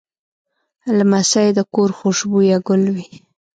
لمسی د کور خوشبویه ګل وي.